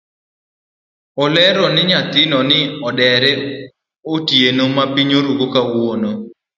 Olero ni nyathino ne odere otieno mapiny rugo kawuono.